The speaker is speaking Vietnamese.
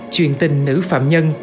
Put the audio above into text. chuyện tình nữ phạm nhân